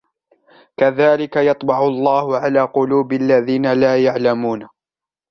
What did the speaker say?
كَذَلِكَ يَطْبَعُ اللَّهُ عَلَى قُلُوبِ الَّذِينَ لَا يَعْلَمُونَ